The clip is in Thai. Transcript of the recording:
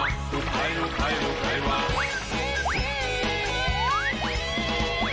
ลูกไพ่ลูกไพ่ลูกไพ่ว่า